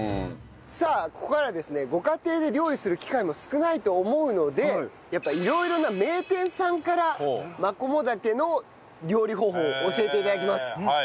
さあここからはですねご家庭で料理する機会も少ないと思うのでやっぱ色々な名店さんからマコモダケの料理方法を教えて頂きます。